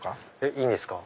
いいんですか？